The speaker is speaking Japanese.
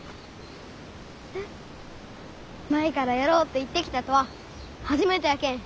舞からやろうって言ってきたとは初めてやけん。